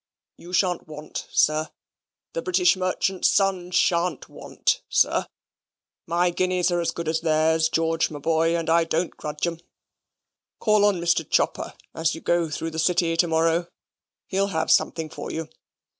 "You shan't want, sir. The British merchant's son shan't want, sir. My guineas are as good as theirs, George, my boy; and I don't grudge 'em. Call on Mr. Chopper as you go through the City to morrow; he'll have something for you.